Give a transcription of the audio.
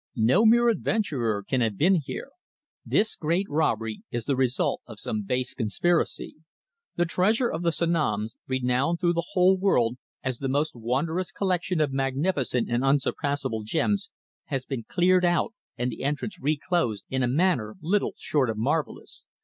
"No mere adventurer can have been here; this great robbery is the result of some base conspiracy. The treasure of the Sanoms, renowned through the whole world as the most wondrous collection of magnificent and unsurpassable gems, has been cleared out and the entrance re closed in a manner little short of marvellous.